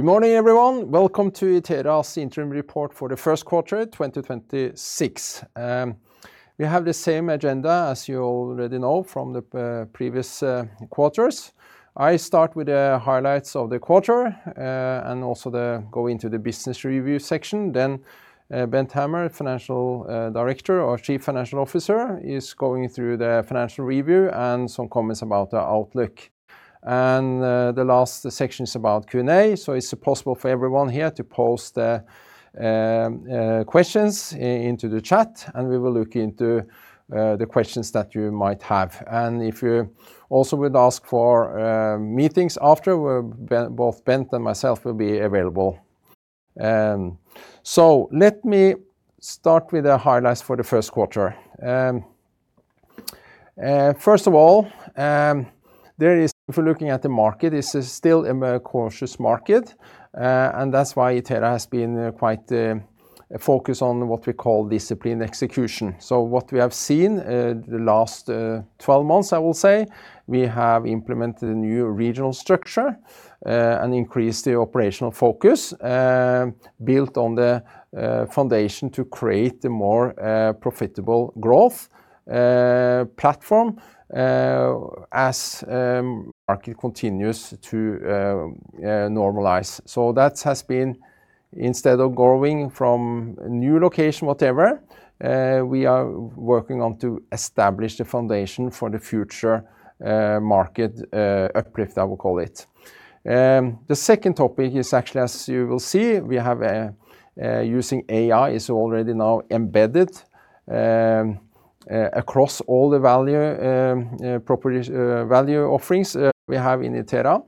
Good morning, everyone. Welcome to Itera's Interim Report for the First Quarter, 2026. We have the same agenda as you already know from the previous quarters. I start with the highlights of the quarter and also go into the business review section. Bent Hammer, financial director or Chief Financial Officer, is going through the financial review and some comments about the outlook. The last section is about Q&A. It's possible for everyone here to post questions into the chat, and we will look into the questions that you might have. If you also would ask for meetings after, both Bent and myself will be available. Let me start with the highlights for the first quarter. First of all, if we're looking at the market, this is still a more cautious market, and that's why Itera has been quite focused on what we call disciplined execution. What we have seen the last 12 months, I will say, we have implemented a new regional structure and increased the operational focus, built on the foundation to create a more profitable growth platform as market continues to normalize. That has been instead of growing from new location, whatever, we are working on to establish the foundation for the future market uplift, I would call it. The second topic is actually, as you will see, we have using AI is already now embedded across all the value value offerings we have in Itera.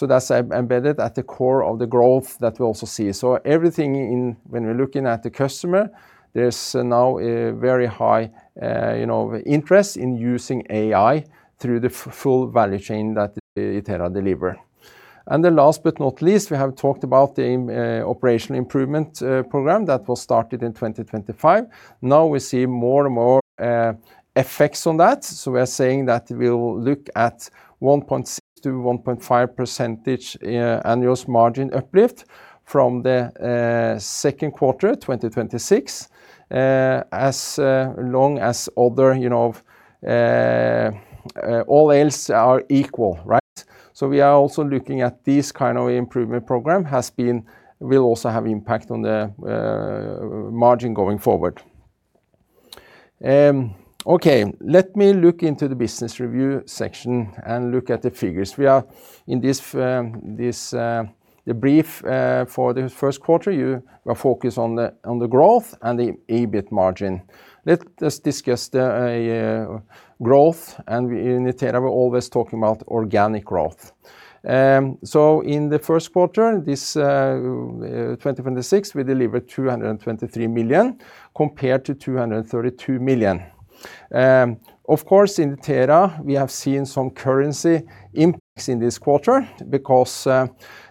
That's embedded at the core of the growth that we also see. Everything when we're looking at the customer, there's now a very high, you know, interest in using AI through the full value chain that Itera deliver. The last but not least, we have talked about the operational improvement program that was started in 2025. Now we see more and more effects on that. We are saying that we'll look at 1.6%-1.5% annual margin uplift from the second quarter 2026, as long as other, you know, all else are equal, right? We are also looking at this kind of improvement program will also have impact on the margin going forward. Okay. Let me look into the business review section and look at the figures. We are in this, the brief for the first quarter, you were focused on the growth and the EBIT margin. Let's discuss the growth. In Itera, we're always talking about organic growth. In the first quarter, this 2026, we delivered 223 million compared to 232 million. Of course, in Itera, we have seen some currency impacts in this quarter because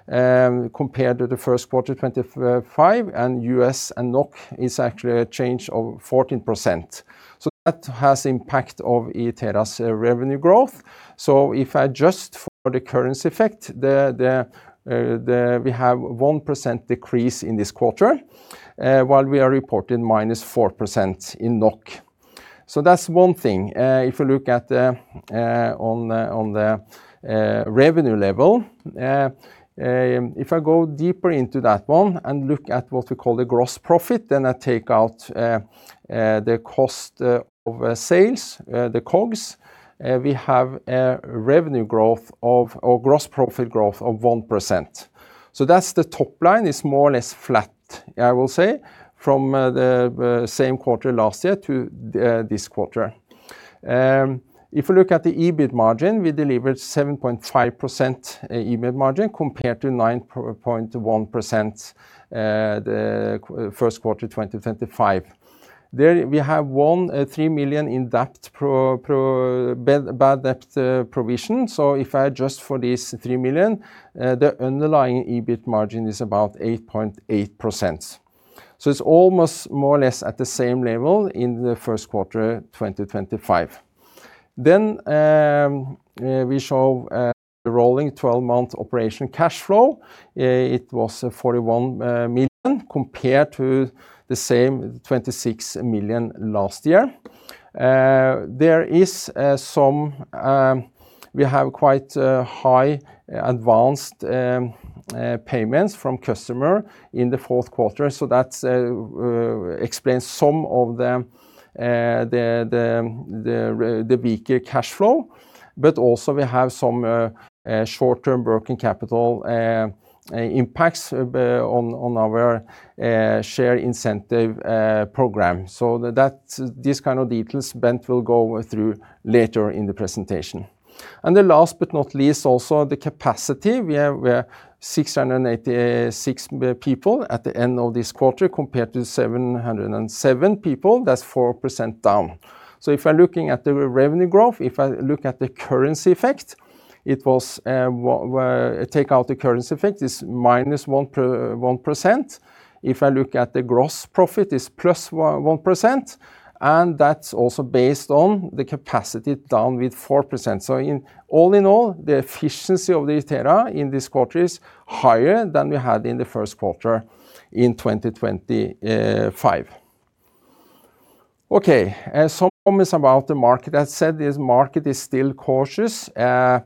compared to the first quarter 25 and U.S. and NOK is actually a change of 14%. That has impact of Itera's revenue growth. If I adjust for the currency effect, we have a 1% decrease in this quarter, while we are reporting -4% in NOK. That's one thing. If you look at on the revenue level, if I go deeper into that one and look at what we call the gross profit, then I take out the cost of sales, the COGS, we have a revenue growth or gross profit growth of 1%. That's the top line is more or less flat, I will say, from the same quarter last year to this quarter. If you look at the EBIT margin, we delivered 7.5% EBIT margin compared to 9.1%, the first quarter 2025. There we have 3 million in bad debt provision. If I adjust for this 3 million, the underlying EBIT margin is about 8.8%. It's almost more or less at the same level in the first quarter 2025. We show the rolling twelve-month operation cash flow. It was 41 million compared to the same 26 million last year. There is some, we have quite high advanced payments from customer in the fourth quarter, so that explains some of the weaker cash flow. Also we have some short-term working capital impacts on our share incentive program. These kind of details Bent will go through later in the presentation. The last but not least, also the capacity. We have 686 people at the end of this quarter compared to 707 people. That's 4% down. If I'm looking at the revenue growth, if I look at the currency effect, it was, take out the currency effect, it's minus 1%. If I look at the gross profit, it's +1%, and that's also based on the capacity down with 4%. All in all, the efficiency of Itera in this quarter is higher than we had in the first quarter in 2025. Some comments about the market. I said this market is still cautious, but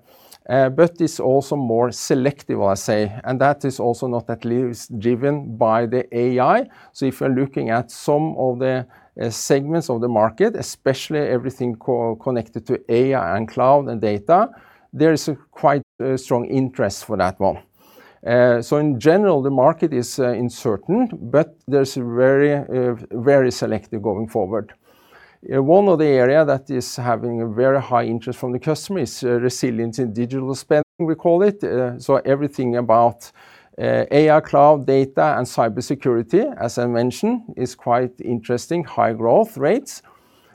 it's also more selective, I say, and that is also not at least driven by the AI. If you're looking at some of the segments of the market, especially everything connected to AI and cloud and data, there is a quite strong interest for that one. In general, the market is uncertain, but there's a very selective going forward. One of the area that is having a very high interest from the customer is resilience in digital spending, we call it. Everything about AI, cloud, data, and cybersecurity, as I mentioned, is quite interesting, high growth rates,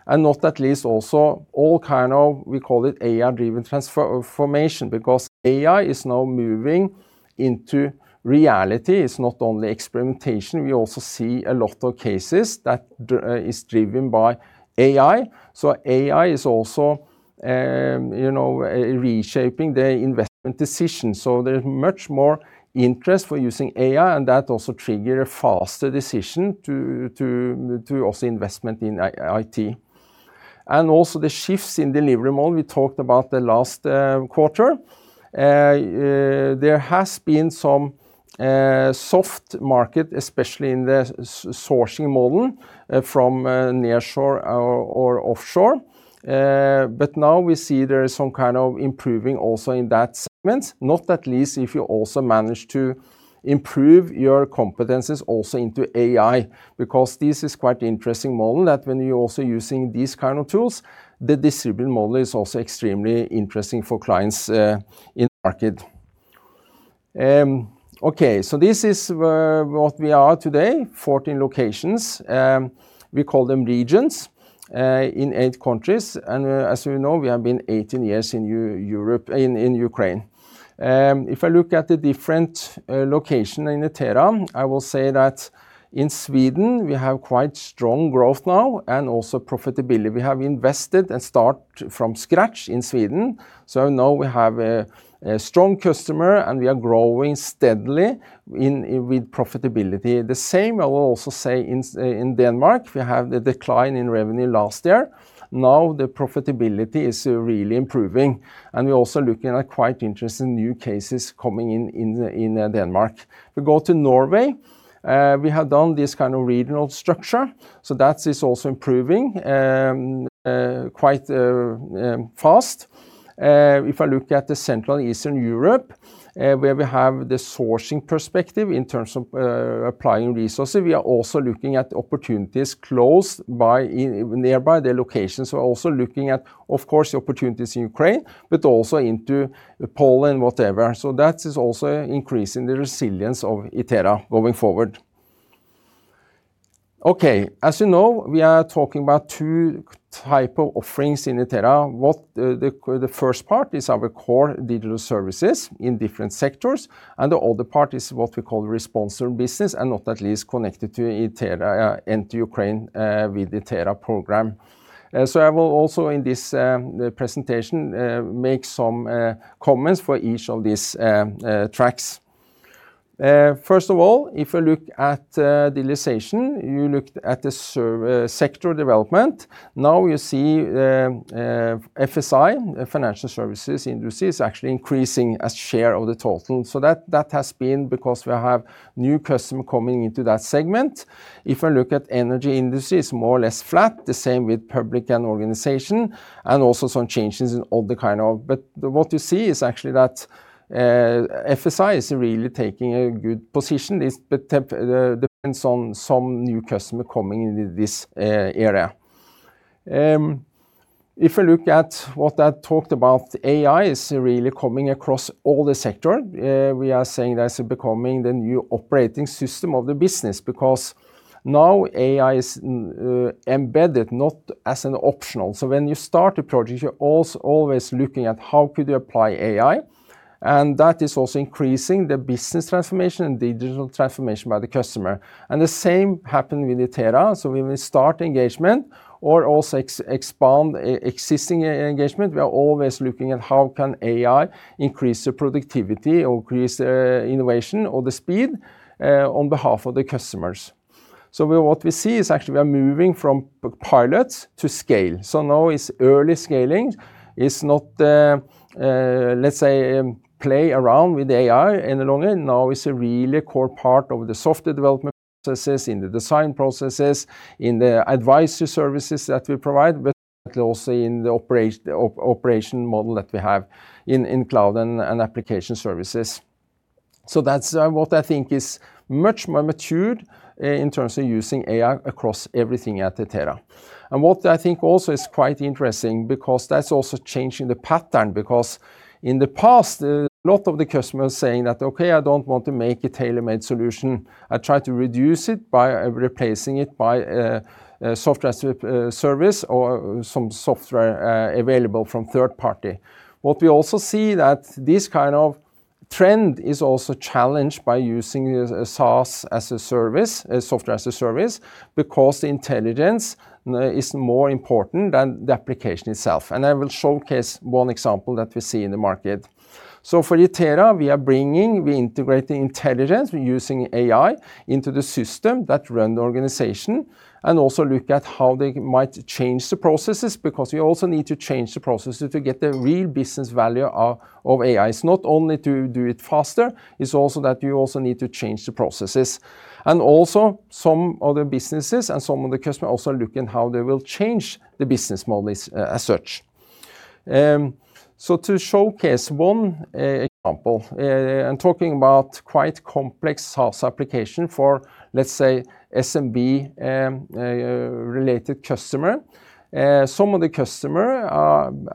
and not at least also all kind of, we call it AI-driven transformation, because AI is now moving into reality. It's not only experimentation. We also see a lot of cases that is driven by AI. AI is also, you know, reshaping the investment decision. There's much more interest for using AI, and that also trigger a faster decision to also investment in IT. Also the shifts in delivery model we talked about the last quarter. There has been some soft market, especially in the sourcing model, from nearshore or offshore. Now we see there is some kind of improving also in that segment, not at least if you also manage to improve your competencies also into AI, because this is quite interesting model that when you're also using these kind of tools, the distributed model is also extremely interesting for clients in the market. Okay, this is where we are today, 14 locations, we call them regions, in eight countries, as you know, we have been 18 years in Europe in Ukraine. If I look at the different location in Itera, I will say that in Sweden we have quite strong growth now and also profitability. We have invested and start from scratch in Sweden, now we have a strong customer, we are growing steadily in, with profitability. The same I will also say in Denmark. We have the decline in revenue last year. Now the profitability is really improving, and we're also looking at quite interesting new cases coming in Denmark. We go to Norway, we have done this kind of regional structure, that is also improving quite fast. If I look at Central and Eastern Europe, where we have the sourcing perspective in terms of applying resources, we are also looking at opportunities close by in nearby the locations. We're also looking at, of course, the opportunities in Ukraine, also into Poland, whatever. That is also increasing the resilience of Itera going forward. Okay. As you know, we are talking about two type of offerings in Itera. The first part is our core digital services in different sectors, and the other part is what we call responsible business and not at least connected to Itera, into Ukraine, with Itera Program. I will also in this presentation make some comments for each of these tracks. First of all, if you look at digitalization, you look at the sector development. Now you see FSI, financial services industry, is actually increasing as share of the total. That has been because we have new customer coming into that segment. If I look at energy industry, it's more or less flat, the same with public and organization, and also some changes. What you see is actually that FSI is really taking a good position. This depends on some new customer coming into this area. If you look at what I talked about, AI is really coming across all the sector. We are saying that it's becoming the new operating system of the business because now AI is embedded not as an optional. When you start a project, you're always looking at how could you apply AI, that is also increasing the business transformation and digital transformation by the customer. The same happen with Itera. When we start engagement or also expand existing engagement, we are always looking at how can AI increase the productivity or increase innovation or the speed on behalf of the customers. What we see is actually we are moving from pilots to scale. Now it's early scaling. It's not, let's say, play around with AI any longer. Now it's a really core part of the software development processes, in the design processes, in the advisory services that we provide, but also in the operation model that we have in Cloud and Application Services. That's what I think is much more matured in terms of using AI across everything at Itera. What I think also is quite interesting because that's also changing the pattern because in the past, a lot of the customers saying that, "Okay, I don't want to make a tailor-made solution. I try to reduce it by replacing it by a software as a service or some software available from third party. What we also see that this kind of trend is also challenged by using SaaS as a service, software as a service, because the intelligence is more important than the application itself. I will showcase one example that we see in the market. For Itera, we are bringing, we integrate the intelligence, we're using AI into the system that run the organization and also look at how they might change the processes, because we also need to change the processes to get the real business value of AI. It's not only to do it faster, it's also that you also need to change the processes. Also some other businesses and some of the customer also look in how they will change the business models as such. To showcase 1 example, I'm talking about quite complex SaaS application for, let's say, SMB related customer. Some of the customer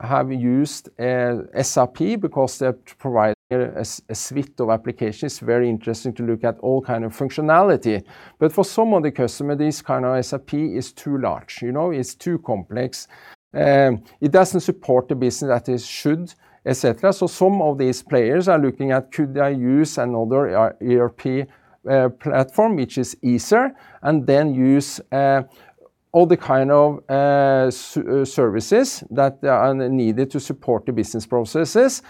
have used SAP because they're providing a suite of applications. Very interesting to look at all kind of functionality. For some of the customer, this kind of SAP is too large. You know. It's too complex. It doesn't support the business that it should, et cetera. Some of these players are looking at could I use another ERP platform which is easier, and then use all the kind of services that are needed to support the business processes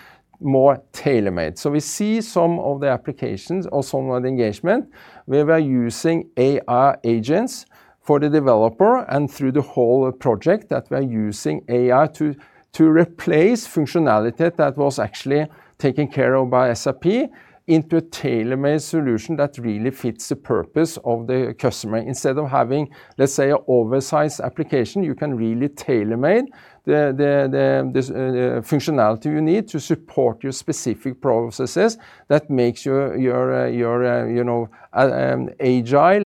more tailor-made. We see some of the applications or some of the engagement where we're using AI agents for the developer and through the whole project that we're using AI to replace functionality that was actually taken care of by SAP into a tailor-made solution that really fits the purpose of the customer. Instead of having, let's say, an oversized application, you can really tailor-made this functionality you need to support your specific processes that makes your, you know, agile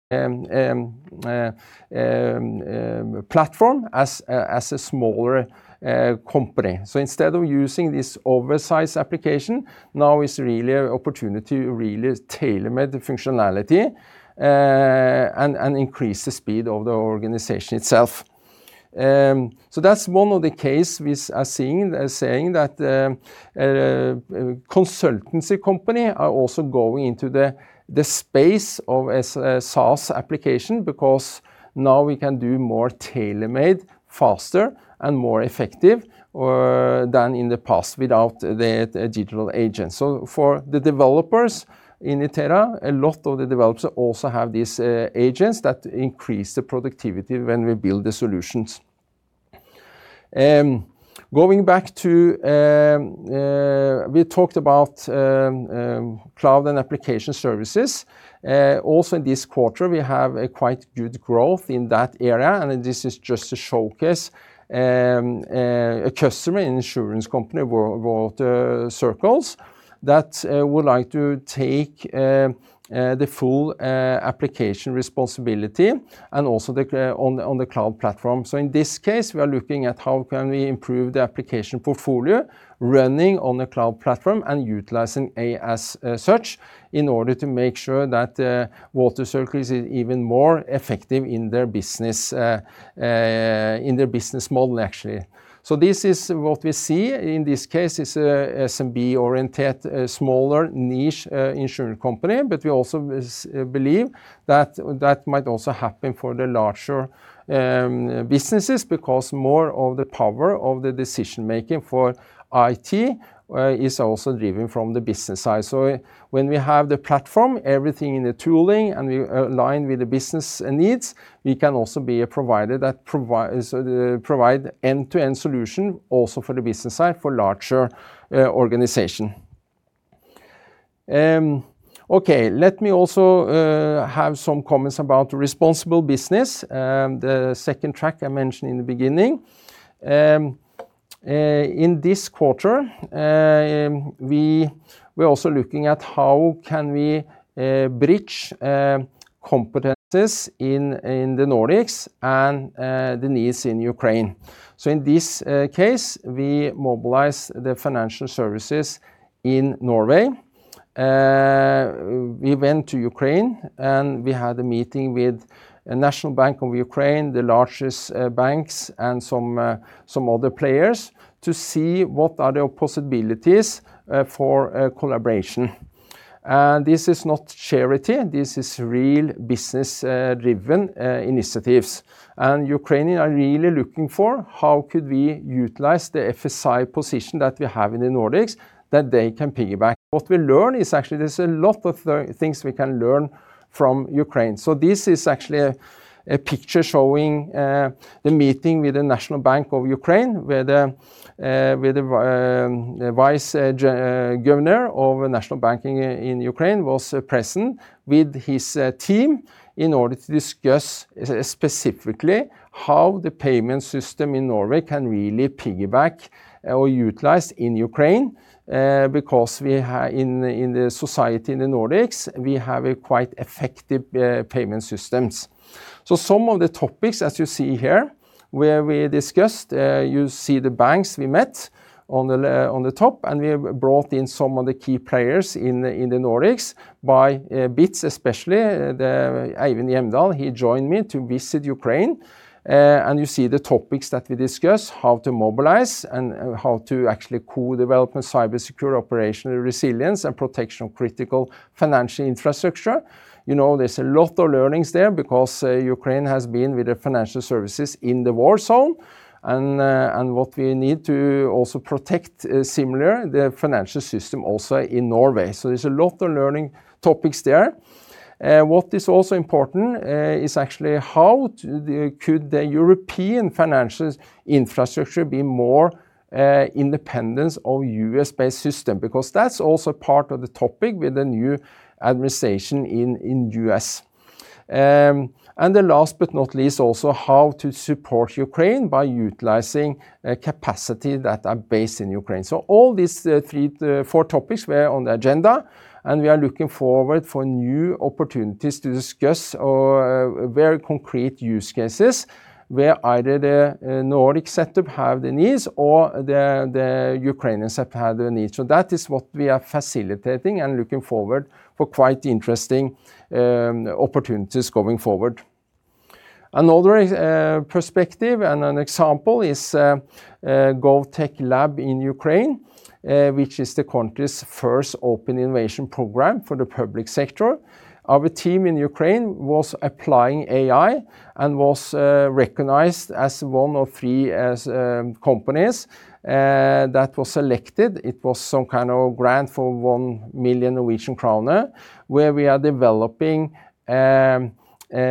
platform as a smaller company. Instead of using this oversized application, now it's really an opportunity to really tailor-made the functionality and increase the speed of the organization itself. That's one of the case we are seeing that consultancy company are also going into the space of a SaaS application because now we can do more tailor-made faster and more effective than in the past without the digital agent. For the developers in Itera, a lot of the developers also have these agents that increase the productivity when we build the solutions. Going back to we talked about Cloud and Application Services. Also in this quarter, we have a quite good growth in that area, and this is just to showcase a customer, an insurance company, WaterCircles, that would like to take the full application responsibility and also on the cloud platform. In this case, we are looking at how can we improve the application portfolio running on the cloud platform and utilizing AI as a search in order to make sure that WaterCircles is even more effective in their business in their business model, actually. This is what we see in this case is a SMB oriented, a smaller niche, insurance company, but we also is believe that that might also happen for the larger businesses because more of the power of the decision-making for IT is also driven from the business side. When we have the platform, everything in the tooling, and we align with the business needs, we can also be a provider that provide end-to-end solution also for the business side for larger organization. Okay. Let me also have some comments about responsible business, the second track I mentioned in the beginning. In this quarter, we're also looking at how can we bridge competencies in the Nordics and the needs in Ukraine. In this case, we mobilize the financial services in Norway. We went to Ukraine, and we had a meeting with the National Bank of Ukraine, the largest banks and some other players to see what are the possibilities for a collaboration. This is not charity. This is real business-driven initiatives. Ukrainian are really looking for how could we utilize the FSI position that we have in the Nordics that they can piggyback. What we learn is actually there's a lot of the things we can learn from Ukraine. This is actually a picture showing the meeting with the National Bank of Ukraine, where the vice governor of National Bank in Ukraine was present with his team in order to discuss specifically how the payment system in Norway can really piggyback or utilize in Ukraine, because in the society in the Nordics, we have a quite effective payment systems. Some of the topics as you see here, where we discussed, you see the banks we met on the top, and we have brought in some of the key players in the Nordics by Bits, especially Eivind Gjemdal. He joined me to visit Ukraine. You see the topics that we discuss, how to mobilize and how to actually co-develop a cybersecure operational resilience and protection of critical financial infrastructure. You know, there's a lot of learnings there because Ukraine has been with the financial services in the war zone and what we need to also protect similar the financial system also in Norway. There's a lot of learning topics there. What is also important is actually how could the European financial infrastructure be more independent of U.S.-based system? Because that's also part of the topic with the new administration in U.S. The last but not least, also how to support Ukraine by utilizing capacity that are based in Ukraine. All these three, four topics were on the agenda, and we are looking forward for new opportunities to discuss very concrete use cases where either the Nordic setup have the needs or the Ukrainians have had the need. That is what we are facilitating and looking forward for quite interesting opportunities going forward. Another perspective and an example is GovTech Lab in Ukraine, which is the country's first open innovation program for the public sector. Our team in Ukraine was applying AI and was recognized as one of three companies that was selected. It was some kind of grant for 1 million Norwegian kroner, where we are developing a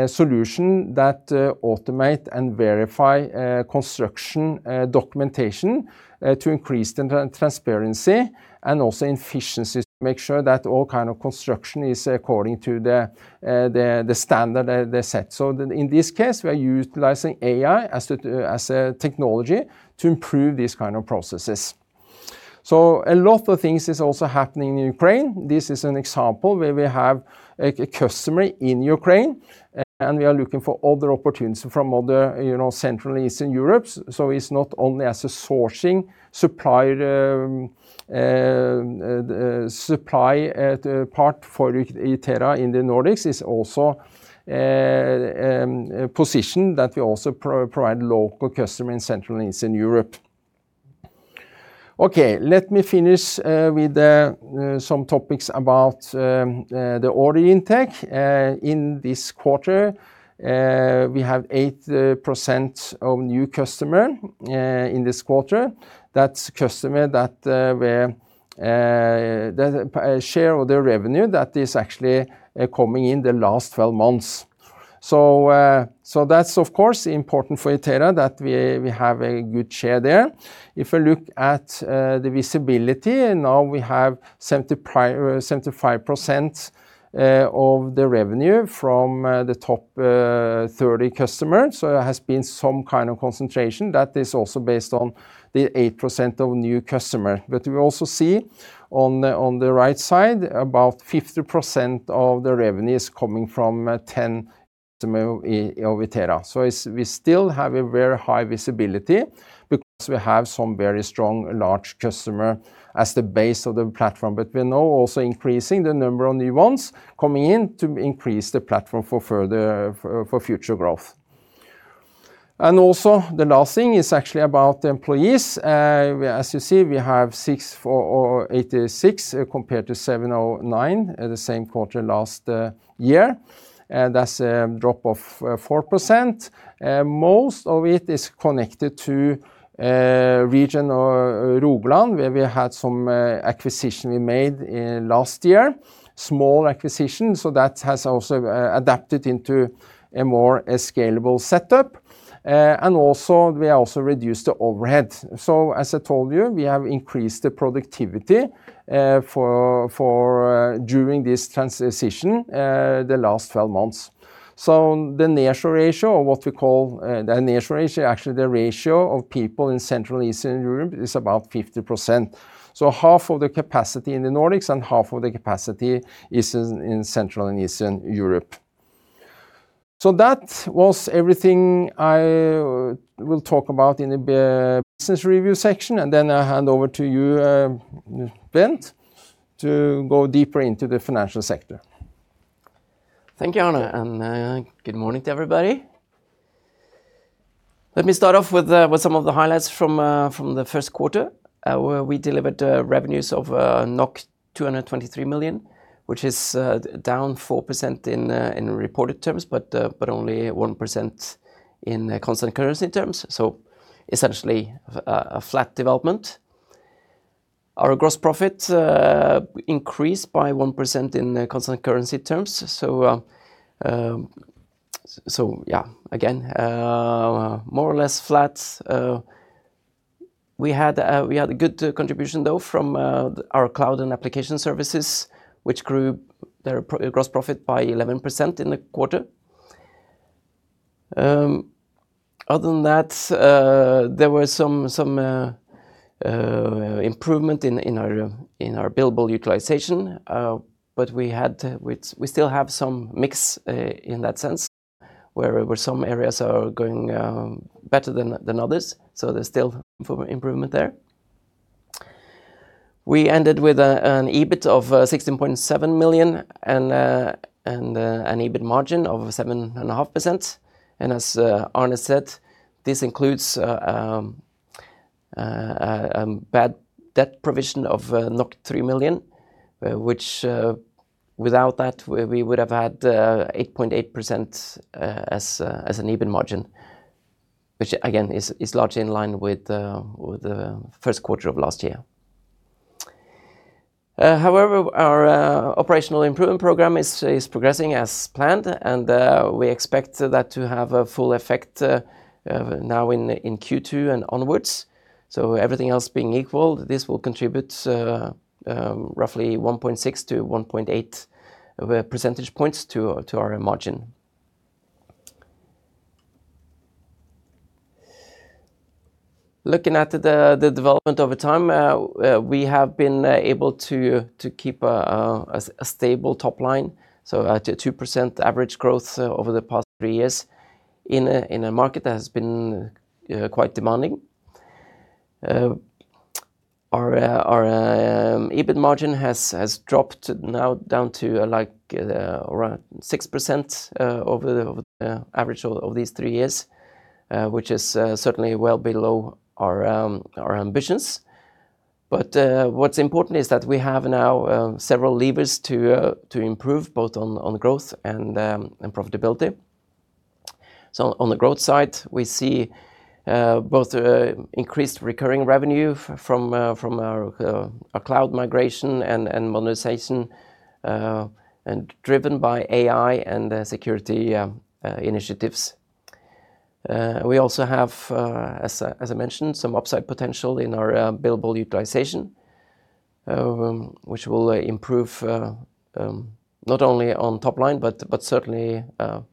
solution that automate and verify construction documentation to increase the transparency and also efficiency to make sure that all kind of construction is according to the standard they set. In this case, we are utilizing AI as a technology to improve these kind of processes. A lot of things is also happening in Ukraine. This is an example where we have a customer in Ukraine, and we are looking for other opportunities from other, you know, Central and Eastern Europe. It's not only as a sourcing supplier supply part for Itera in the Nordics. It's also a position that we also provide local customer in Central and Eastern Europe. Let me finish with some topics about the order intake. In this quarter, we have 80% of new customer in this quarter. That's customer that were that share of the revenue that is actually coming in the last 12 months. That's of course important for Itera that we have a good share there. If you look at the visibility, now we have 75% of the revenue from the top 30 customers. There has been some kind of concentration that is also based on the 80% of new customer. We also see on the right side, about 50% of the revenue is coming from 10 customer of Itera. We still have a very high visibility because we have some very strong large customer as the base of the platform. We're now also increasing the number of new ones coming in to increase the platform for further, for future growth. The last thing is actually about the employees. As you see, we have 686 compared to 709 the same quarter last year. That's a drop of 4%. Most of it is connected to region of Rogaland, where we had some acquisition we made last year, small acquisition. That has also adapted into a more scalable setup. We also reduced the overhead. As I told you, we have increased the productivity for during this transition the last 12 months. The nearshore ratio, or what we call the nearshore ratio, actually the ratio of people in Central and Eastern Europe is about 50%. Half of the capacity in the Nordics and half of the capacity is in Central and Eastern Europe. That was everything I will talk about in the business review section, and then I hand over to you, Bent, to go deeper into the financial sector. Thank you, Arne. Good morning to everybody. Let me start off with some of the highlights from the first quarter, where we delivered revenues of 223 million, which is down 4% in reported terms, but only 1% in constant currency terms, so essentially a flat development. Our gross profit increased by 1% in constant currency terms. Yeah, again, more or less flat. We had a good contribution though from our Cloud and Application Services, which grew their gross profit by 11% in the quarter. Other than that, there were some improvement in our billable utilization. We still have some mix in that sense, where some areas are going better than others. There's still room for improvement there. We ended with an EBIT of 16.7 million and an EBIT margin of 7.5%. As Arne said, this includes bad debt provision of 3 million, which without that, we would have had 8.8% as an EBIT margin, which again is largely in line with the first quarter of last year. However, our operational improvement program is progressing as planned, and we expect that to have a full effect now in Q2 and onwards. Everything else being equal, this will contribute roughly 1.6 percentage points to 1.8 percentage points to our margin. Looking at the development over time, we have been able to keep a stable top line, so at a 2% average growth over the past three years in a market that has been quite demanding. Our EBIT margin has dropped now down to, like, around 6% over the average of these three years, which is certainly well below our ambitions. What's important is that we have now several levers to improve both on growth and profitability. On the growth side, we see both increased recurring revenue from from our our cloud migration and monetization and driven by AI and the security initiatives. We also have, as I mentioned, some upside potential in our billable utilization, which will improve not only on top line, but certainly even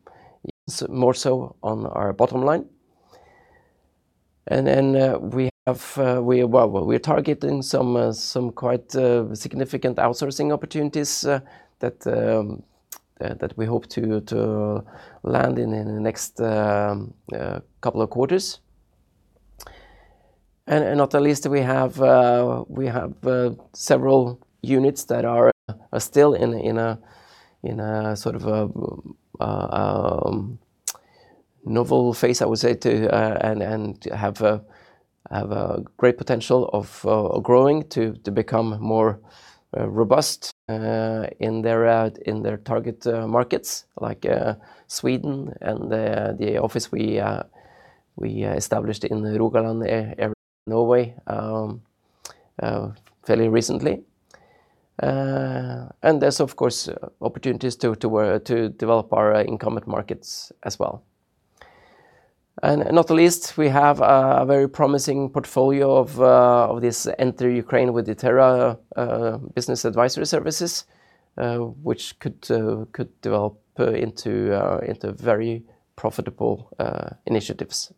more so on our bottom line. Then, we have, well, we're targeting some quite significant outsourcing opportunities that that we hope to land in the next couple of quarters. Not the least, we have several units that are still in a sort of a novel phase, I would say and have a great potential of growing to become more robust in their target markets like Sweden and the office we established in Rogaland area of Norway fairly recently. There's, of course, opportunities to develop our incumbent markets as well. Not the least, we have a very promising portfolio of this Enter Ukraine with Itera business advisory services, which could develop into very profitable initiatives.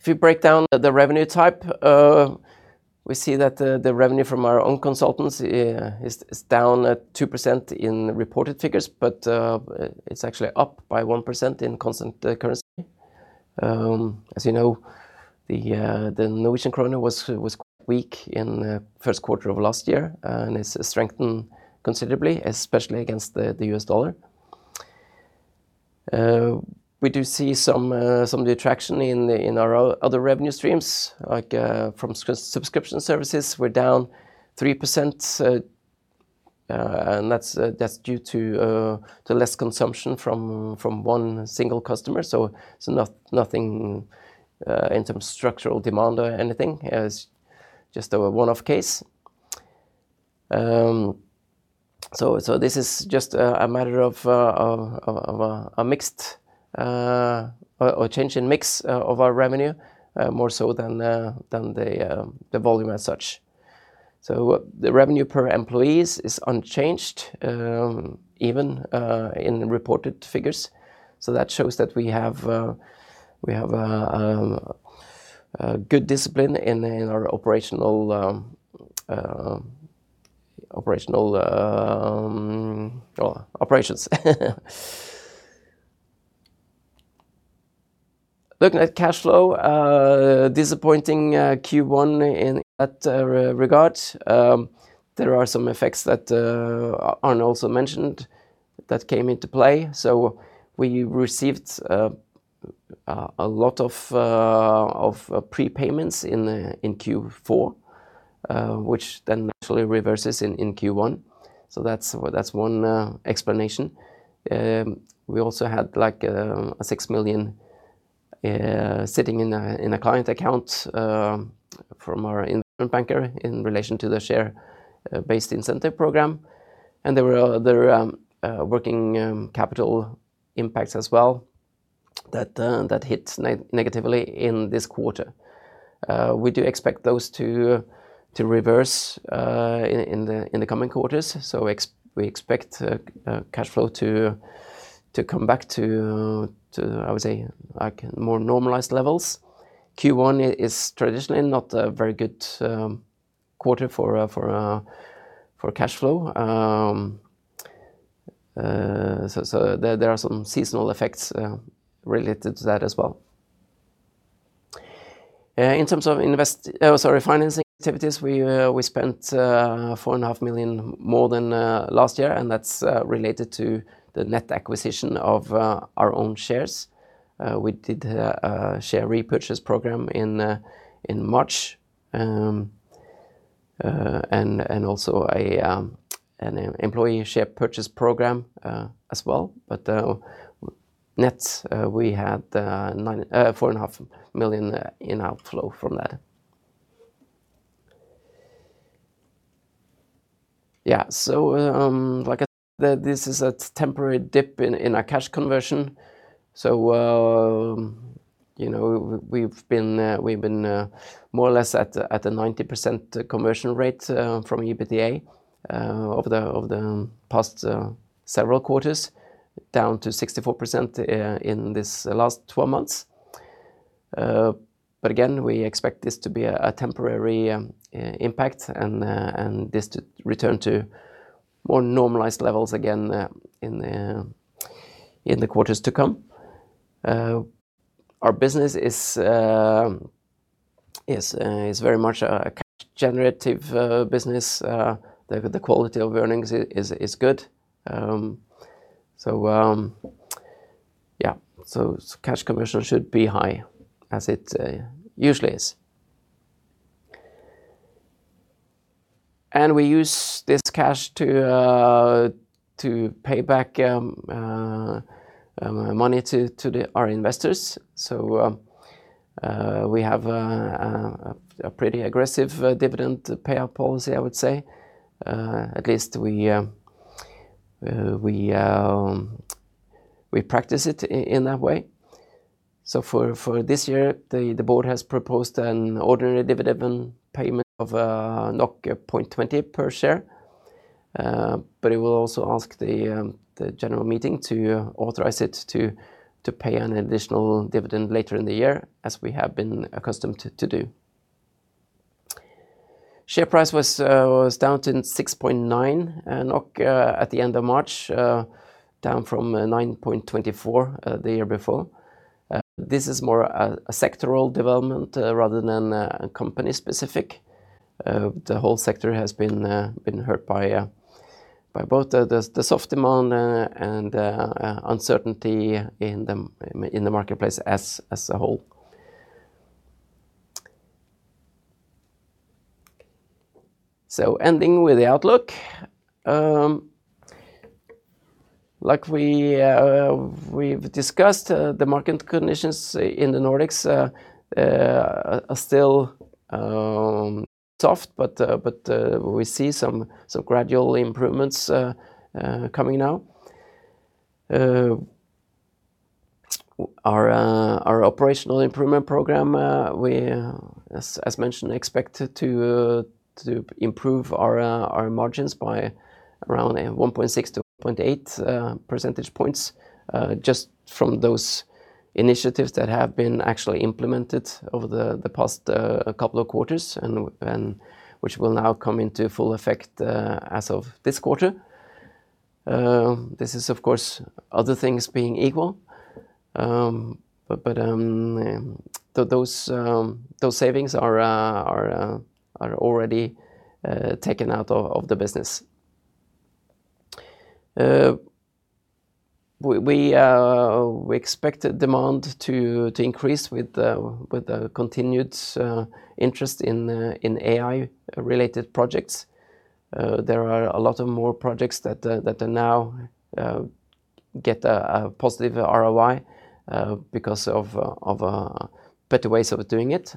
If you break down the revenue type, we see that the revenue from our own consultants is down at 2% in reported figures, but it's actually up by 1% in constant currency. As you know, the Norwegian kroner was quite weak in first quarter of last year and has strengthened considerably, especially against the U.S. dollar. We do see some of the attraction in our other revenue streams, like from subscription services, we're down 3%. That's due to less consumption from one single customer. Nothing in terms of structural demand or anything. It's just a one-off case. This is just a matter of a change in mix of our revenue, more so than the volume as such. The revenue per employees is unchanged, even in reported figures. That shows that we have a good discipline in our operational operations. Looking at cash flow, disappointing Q1 in that regard. There are some effects that Arne also mentioned that came into play. We received a lot of prepayments in Q4, which then naturally reverses in Q1. That's 1 explanation. We also had like 6 million sitting in a client account from our incumbent banker in relation to the share based incentive program. There were other working capital impacts as well. That hit negatively in this quarter. We do expect those to reverse in the coming quarters. We expect cash flow to come back to I would say, like more normalized levels. Q1 is traditionally not a very good quarter for cash flow. There are some seasonal effects related to that as well. In terms of financing activities, we spent 4.5 million more than last year and that's related to the net acquisition of our own shares. We did a share repurchase program in March and also an employee share purchase program as well. Net, we had 4.5 million in outflow from that. Like I said, this is a temporary dip in our cash conversion. You know, we've been more or less at a 90% conversion rate from EBITDA over the past several quarters, down to 64% in this last 12 months. Again, we expect this to be a temporary impact and this to return to more normalized levels again in the quarters to come. Our business is very much a cash generative business. The quality of earnings is good. Cash conversion should be high as it usually is. We use this cash to pay back money to our investors. We have a pretty aggressive dividend payout policy, I would say. At least we practice it in that way. For this year, the board has proposed an ordinary dividend payment of 0.20 per share. It will also ask the general meeting to authorize it to pay an additional dividend later in the year, as we have been accustomed to do. Share price was down to 6.9 NOK at the end of March. Down from 9.24 the year before. This is more a sectoral development, rather than company specific. The whole sector has been hurt by both the soft demand and uncertainty in the marketplace as a whole. Ending with the outlook. Like we've discussed, the market conditions in the Nordics are still soft, but we see some gradual improvements coming now. Our operational improvement program, we as mentioned, expect to improve our margins by around 1.6 percentage points to 1.8 percentage points, just from those initiatives that have been actually implemented over the past couple of quarters and which will now come into full effect as of this quarter. This is of course other things being equal. But those savings are already taken out of the business. We expect demand to increase with the continued interest in AI related projects. There are a lot of more projects that are now get a positive ROI because of better ways of doing it.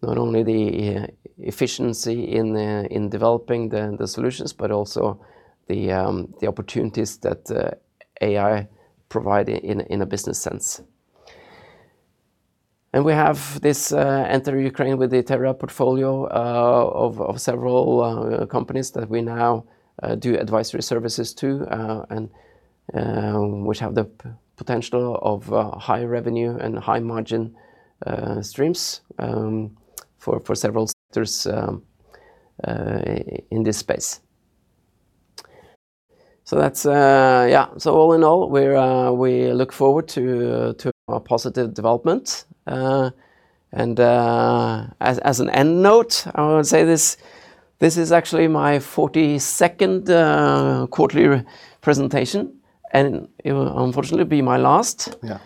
Not only the efficiency in developing the solutions, but also the opportunities that AI provide in a business sense. We have this Enter Ukraine with Itera portfolio of several companies that we now do advisory services to. Which have the potential of high revenue and high margin streams for several sectors in this space. All in all, we look forward to our positive development. As an end note, I would say this is actually my 42nd quarterly presentation, and it will unfortunately be my last. Yeah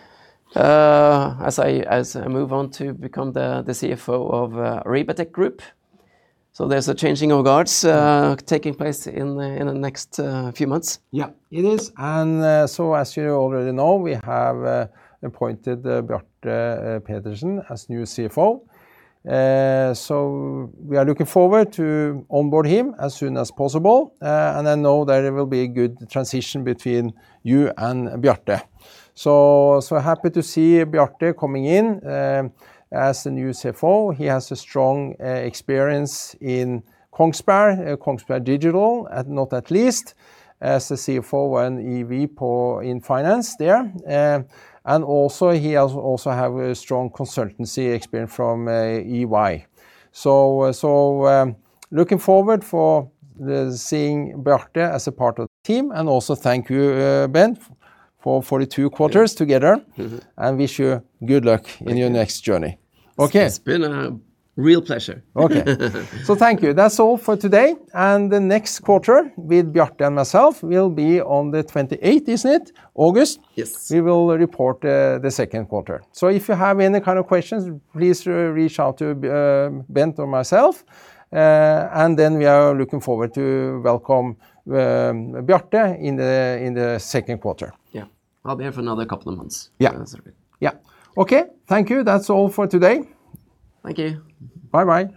As I move on to become the CFO of ReboTech Group, there's a changing of guards, taking place in the next few months. Yeah, it is. As you already know, we have appointed Bjarte Pedersen as new CFO. We are looking forward to onboard him as soon as possible. I know that it will be a good transition between you and Bjarte. Happy to see Bjarte coming in as the new CFO. He has a strong experience in Kongsberg Digital, and not at least as the CFO and EVP in finance there. He also have a strong consultancy experience from EY. Looking forward for the seeing Bjarte as a part of the team. Thank you, Bent, for 42 quarters together. Wish you good luck. Thank you. in your next journey. Okay. It's been a real pleasure. Okay. Thank you. That's all for today. The next quarter with Bjarte and myself will be on the 28th, isn't it? August? Yes. We will report the second quarter. If you have any kind of questions, please reach out to Bent or myself. We are looking forward to welcome Bjarte in the second quarter. Yeah. I'll be here for another couple of months. Yeah. That's okay. Yeah. Okay. Thank you. That's all for today. Thank you. Bye-bye.